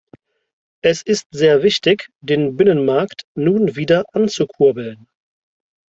Es ist sehr wichtig, den Binnenmarkt nun wieder anzukurbeln.